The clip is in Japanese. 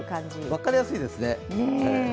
分かりやすいですね。